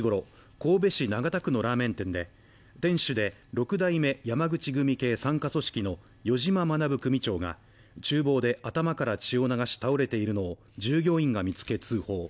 神戸市長田区のラーメン店で、店主で、６代目山口組系傘下組織の余嶋学組長が厨房で頭から血を流し倒れているのを従業員が見つけ通報。